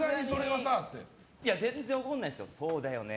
全然怒らないですね。